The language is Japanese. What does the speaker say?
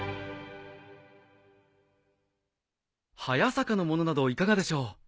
早坂のものなどいかがでしょう？